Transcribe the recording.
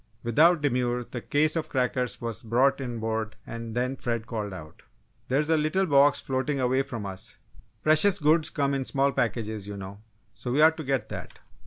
Without demur, the case of crackers was brought inboard and then Fred called out: "There's a little box floating away from us 'precious goods come in small packages,' you know, so we ought to get that!"